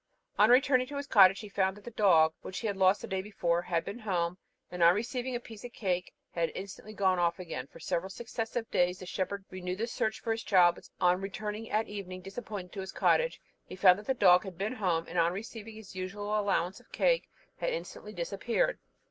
On returning to his cottage he found that the dog, which he had lost the day before, had been home, and on receiving a piece of cake, had instantly gone off again. For several successive days the shepherd renewed the search for his child, but still, on returning at evening disappointed to his cottage, he found that the dog had been home, and, on receiving his usual allowance of cake, had instantly disappeared.